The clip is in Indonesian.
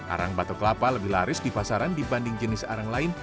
arang batok kelapa lebih laris di pasaran dibanding jenis arang lain